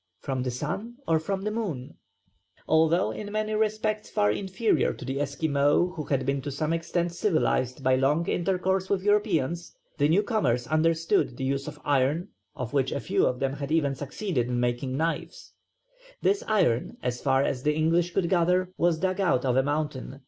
From the sun or from the moon? [Illustration: Esquimaux family. (Fac simile of early engraving.)] Although in many respects far inferior to the Esquimaux who had become to some extent civilized by long intercourse with Europeans, the new comers understood the use of iron, of which a few of them had even succeeded in making knives. This iron as far as the English could gather was dug out of a mountain.